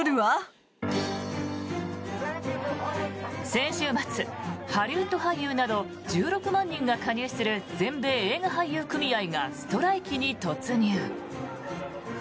先週末、ハリウッド俳優など１６万人が加入する全米映画俳優組合がストライキに突入。